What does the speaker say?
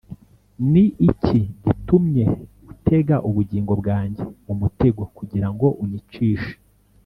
ni iki gitumye utega ubugingo bwanjye umutego kugira ngo unyicishe?